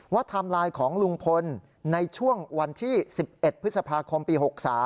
ไทม์ไลน์ของลุงพลในช่วงวันที่๑๑พฤษภาคมปี๖๓